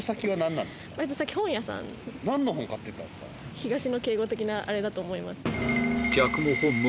東野圭吾的なあれだと思います。